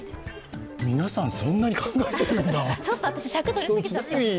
皆さん、そんなに考えてるんだ。